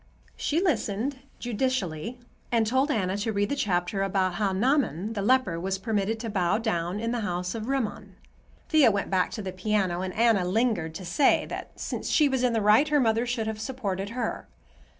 She listened judicially and told Anna to read the chapter about how Naaman the leper was permitted to bow down in the house of Rimmon. Thea went back to the piano, and Anna lingered to say that, since she was in the right, her mother should have supported her.